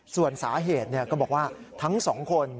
ส่วนสาเหตุก็บอกว่าทั้งสองคน